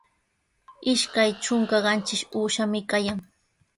Ishkay trunka qanchis uushami kayan.